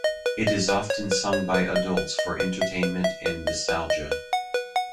It is often sung by adults for entertainment and nostalgia.